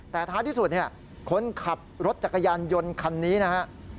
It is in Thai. แต่ท้าที่สุดคนขับรถจักรยานยนต์คันนี้นะครับ